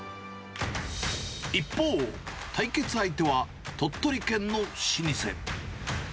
一方、対決相手は、鳥取県の老舗。